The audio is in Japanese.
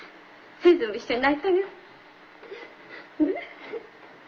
先生も一緒に泣いたげよ。